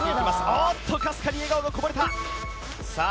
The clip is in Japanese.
おっとかすかに笑顔がこぼれたさあ